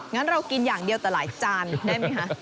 งั้นเรากินอย่างเดียวแต่หลายจานได้ไหมคะ